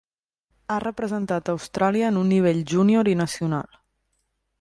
Ha representat a Austràlia en un nivell júnior i nacional.